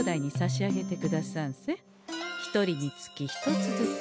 一人につき１つずつ。